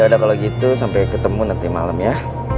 ya udah kalau gitu sampai ketemu nanti malem ya